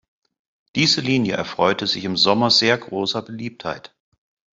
Diese Linie erfreute sich im Sommer sehr großer Beliebtheit.